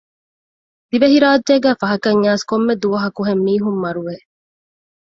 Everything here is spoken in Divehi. ދިވެހިރާއްޖޭގައި ފަހަކަށް އައިސް ކޮންމެ ދުވަހަކުހެން މީހުން މަރުވެ